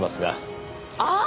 ああ！